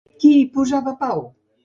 Qui hi posava pau?